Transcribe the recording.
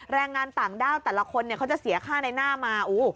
แรงงานต่างด้าวแต่ละคนเขาจะเสียค่าในหน้ามา